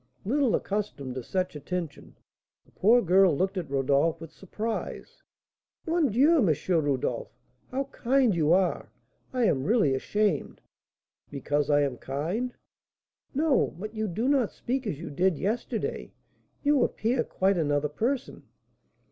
Little accustomed to such attention, the poor girl looked at Rodolph with surprise. "Mon Dieu! M. Rodolph, how kind you are; I am really ashamed " "Because I am kind?" "No; but you do not speak as you did yesterday; you appear quite another person."